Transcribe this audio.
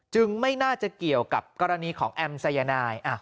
ไม่น่าจะเกี่ยวกับกรณีของแอมสายนาย